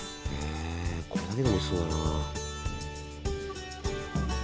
これだけでもおいしそうだなあ。